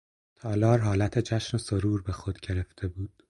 تالار حالت جشن و سرور به خود گرفته بود.